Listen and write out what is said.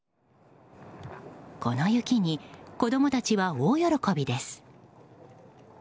この雪に子供たちは大喜びです。